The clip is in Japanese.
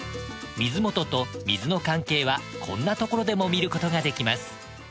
水元と水の関係はこんなところでも見ることができます。